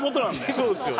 そうですよね。